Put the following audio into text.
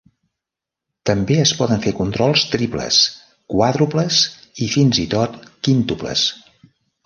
També es poden fer controls triples, quàdruples i fins i tot quíntuples.